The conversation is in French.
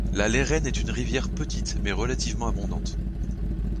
La Leyrenne est une rivière petite, mais relativement abondante.